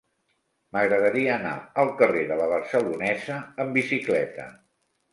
M'agradaria anar al carrer de La Barcelonesa amb bicicleta.